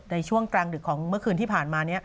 ในช่วงกลางดึกของเมื่อคืนที่ผ่านมา